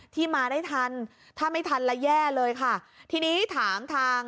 ที่มาได้ทันถ้าไม่ทันแล้วแย่เลยค่ะทีนี้ถามทาง